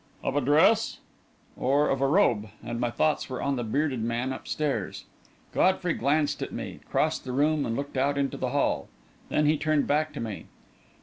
"Of a dress?" "Or of a robe," and my thoughts were on the bearded man upstairs. Godfrey glanced at me, crossed the room, and looked out into the hall. Then he turned back to me.